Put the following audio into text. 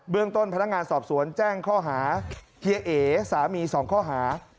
เรื่องต้นพนักงานสอบสวนแจ้งข้อหาเฮียเอสามี๒ข้อหา